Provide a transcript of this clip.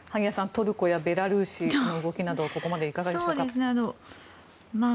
トルコやベラルーシの動きなどここまでいかがでしょうか。